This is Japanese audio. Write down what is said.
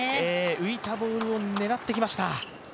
浮いたボールを狙ってきました。